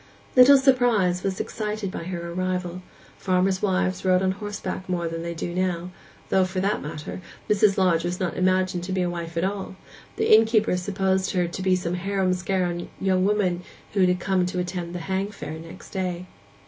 Little surprise was excited by her arrival; farmers' wives rode on horseback then more than they do now; though, for that matter, Mrs. Lodge was not imagined to be a wife at all; the innkeeper supposed her some harum skarum young woman who had come to attend 'hang fair' next day.